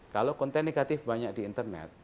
kalau konten negatif banyak di internet